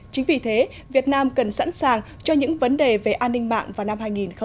chính vì thế việt nam cần sẵn sàng cho những vấn đề về an ninh mạng vào năm hai nghìn hai mươi